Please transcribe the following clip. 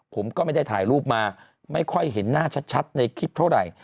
ผมก็ไม่ได้ถ่ายรูปมาไม่ค่อยเห็นหน้าชัดในคลิปเท่าไหร่